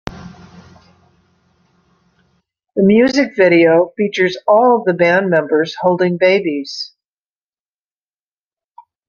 The music video features all of the band members holding babies.